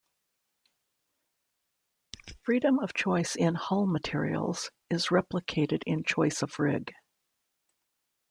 Freedom of choice in hull materials is replicated in choice of rig.